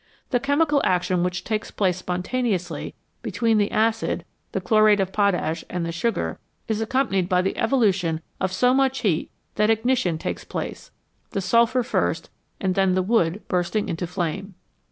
The chemical action which takes place spontaneously between the acid, the chlorate of potash, and the sugar is accompanied by the evolution of so much heat that ignition takes place, the sulphur first and then the wood bursting into flame.